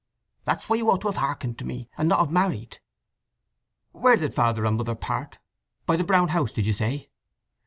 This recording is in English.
That's why you ought to have hearkened to me, and not ha' married." "Where did Father and Mother part—by the Brown House, did you say?"